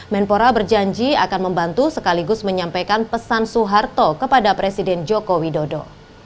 menpora berjanji akan membantu sekaligus menyampaikan pesan soeharto kepada presiden joko widodo